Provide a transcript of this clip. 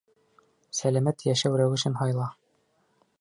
Сәләмәт йәшәү рәүешен һайла!